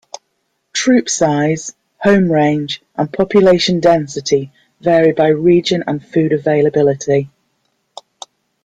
Troop size, home range, and population density vary by region and food availability.